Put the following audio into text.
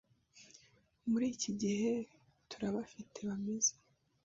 muri iki gihe turabafite bameze